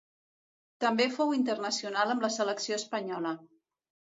També fou internacional amb la selecció espanyola.